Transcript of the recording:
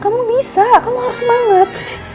kamu bisa kamu harus semangat